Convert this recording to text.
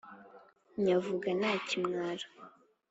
nyavuga nta kimwaro